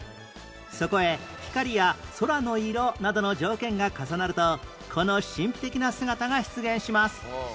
そこへ光や空の色などの条件が重なるとこの神秘的な姿が出現します